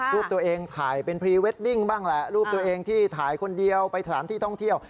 รูปตัวเองถ่ายเป็นพรีเวดดิ้งบ้างแหละรูปตัวเองที่ถ่ายคนเดียวไปสถานที่ท่องเที่ยว